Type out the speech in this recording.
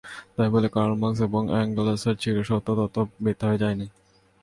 তাই বলে Karl Marx এবং এঙ্গেলসের চিরসত্য তত্ত্ব মিথ্যা হয়ে যায়নি।